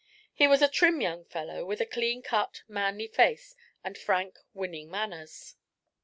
He was a trim young fellow, with a clean cut, manly face and frank, winning manners.